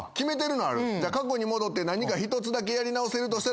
じゃあ過去に戻って何か１つだけやり直せるとしたら何すんの？